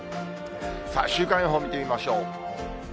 さあ、週間予報見てみましょう。